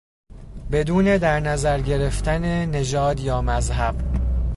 بدون در نظر گرفتن نژاد یا مذهب